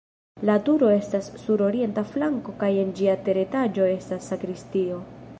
La turo estas sur orienta flanko kaj en ĝia teretaĝo estas sakristio.